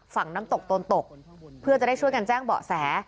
ฝั่งน้ำตกโตนตกเพื่อจะได้ช่วยกันแจ้งเบาะแส